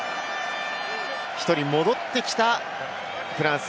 １人戻ってきたフランス。